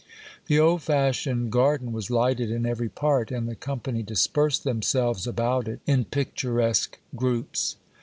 The old fashioned garden was lighted in every part, and the company dispersed themselves about it in picturesque groups.